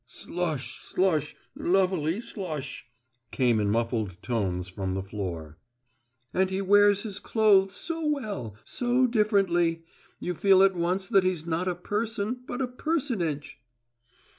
"Slush, slush, luv a ly slush," came in muffled tones from the floor. "And he wears his clothes so well so differently! You feel at once that he's not a person, but a personage."